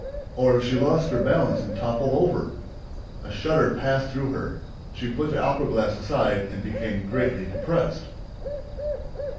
Or if she lost her balance and toppled over! A shudder passed through her. She put the opera glass aside and became greatly depressed.